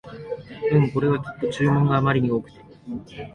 うん、これはきっと注文があまり多くて